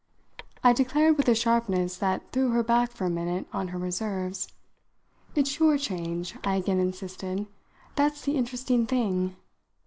I declared with a sharpness that threw her back for a minute on her reserves. "It's your change," I again insisted, "that's the interesting thing.